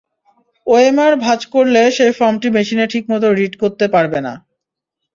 OMR ভাঁজ করলে সেই ফরমটি মেশিনে ঠিক মতো রিড করতে পারবে না।